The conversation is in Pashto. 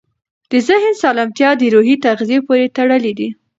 د ذهن سالمتیا د روحي تغذیې پورې تړلې ده.